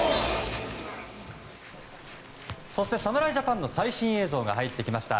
そして侍ジャパンの最新映像が入ってきました。